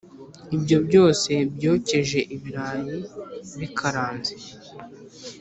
ibyo byose byokeje ibirayi bikaranze